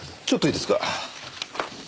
ちょっといいですか？